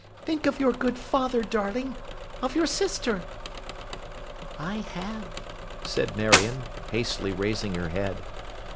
Think of your good father, darling—of your sister.' 'I have,' said Marion, hastily raising her head.